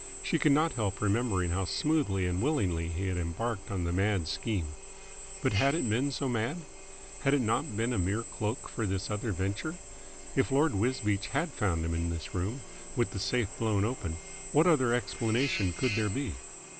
She could not help remembering how smoothly and willingly he had embarked on the mad scheme. But had it been so mad? Had it not been a mere cloak for this other venture? If Lord Wisbeach had found him in this room, with the safe blown open, what other explanation could there be?